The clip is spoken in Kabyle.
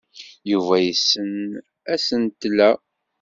Yuba yessen asentel-a.